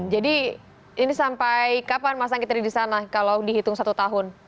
jadi ini sampai kapan mas anggit ada di sana kalau dihitung satu tahun